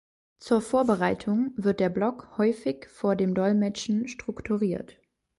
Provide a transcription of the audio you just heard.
Zur Vorbereitung wird der Block häufig vor dem Dolmetschen strukturiert.